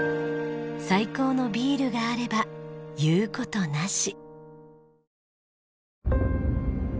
最高のビールがあれば言う事なし。